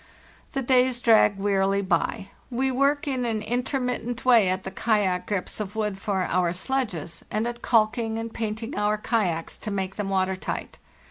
"The days drag wearily by. We work in an inter mittent way at the kayak grips of wood for our sledges, and at calking and painting our kayaks to make them water tight.